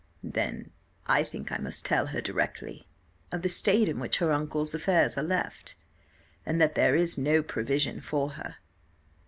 "Then I think I must tell her directly of the state in which her uncle's affairs are left, and that there is no provision for her."